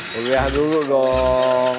bobby adu dulu dong